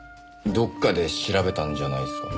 どっかで調べたんじゃないですか？